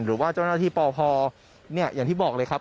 หรือว่าเจ้าหน้าที่ปพอย่างที่บอกเลยครับ